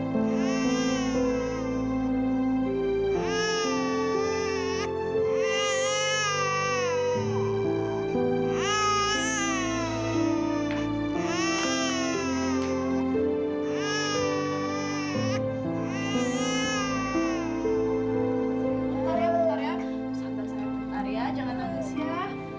tunggu sebentar ya jangan nangis ya